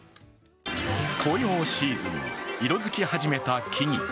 紅葉シーズン、色づき始めた木々。